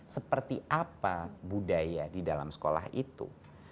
seperti apa budaya di dalam sekolah itu